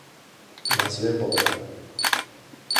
Nació en Bogotá.